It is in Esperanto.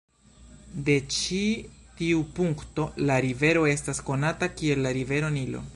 De ĉi tiu punkto la rivero estas konata kiel la Rivero Nilo.